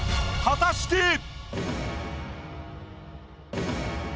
果たして。